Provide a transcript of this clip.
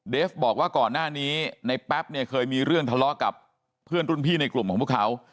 ฟบอกว่าก่อนหน้านี้ในแป๊บเนี่ยเคยมีเรื่องทะเลาะกับเพื่อนรุ่นพี่ในกลุ่มของพวกเขา